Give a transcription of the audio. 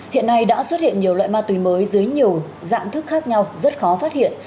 hiện nay đã xuất hiện nhiều loại ma túy mới dưới nhiều dạng thức khác nhau rất khó phát hiện